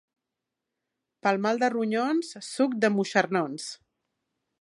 Pel mal de ronyons, suc de moixernons.